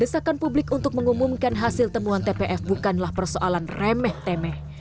desakan publik untuk mengumumkan hasil temuan tpf bukanlah persoalan remeh temeh